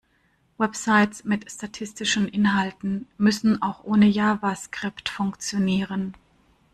Websites mit statischen Inhalten müssen auch ohne Javascript funktionieren.